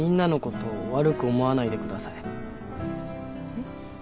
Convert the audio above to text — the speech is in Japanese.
えっ？